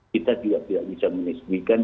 kita juga tidak bisa menesmikan